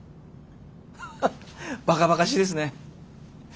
ハッバカバカしいですね。